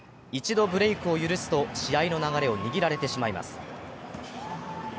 一度ブレークを許すと、試合の流れを握られてしまいます。